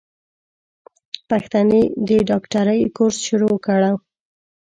پښتنې د ډاکټرۍ کورس شروع کړو.